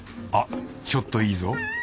あっちょっといいぞ。